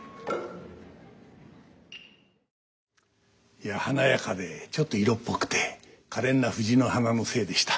いや華やかでちょっと色っぽくてかれんな藤の花の精でした。